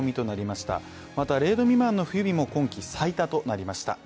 また、０度未満の冬日も今季最多となりました。